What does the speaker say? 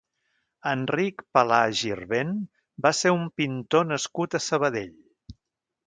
Enric Palà Girvent va ser un pintor nascut a Sabadell.